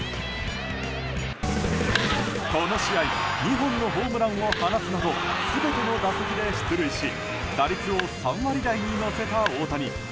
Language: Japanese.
この試合２本のホームランを放つなど全ての打席で出塁し打率を３割台に乗せた大谷。